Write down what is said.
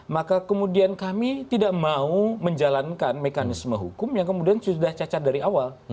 maka kemudian kami tidak mau menjalankan mekanisme hukum yang kemudian sudah cacat dari awal